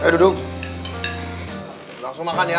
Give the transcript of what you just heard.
duduk langsung makan ya ya